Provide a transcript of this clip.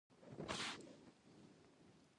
او د ځینو لپاره په سترګو کې اغزی دی.